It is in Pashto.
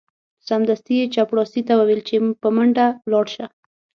سمدستي یې چپړاسي ته وویل چې په منډه ولاړ شه.